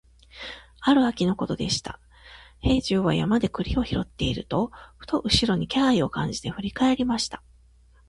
ある秋のことでした、兵十は山で栗を拾っていると、ふと後ろに気配を感じて振り返りました。